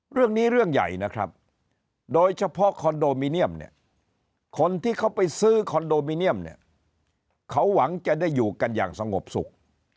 เรื่องใหญ่นะครับโดยเฉพาะคอนโดมิเนียมเนี่ยคนที่เขาไปซื้อคอนโดมิเนียมเนี่ยเขาหวังจะได้อยู่กันอย่างสงบสุข